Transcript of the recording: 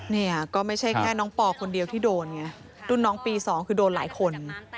เนี่ยก็ไม่ใช่แค่น้องปอคนเดียวที่โดนไงรุ่นน้องปี๒คือโดนหลายคน